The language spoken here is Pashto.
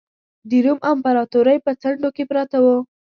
د روم امپراتورۍ په څنډو کې پراته وو.